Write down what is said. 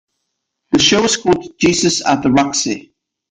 The show was called "Jesus At the Roxy".